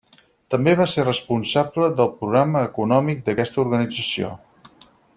També va ser responsable del programa econòmic d'aquesta organització.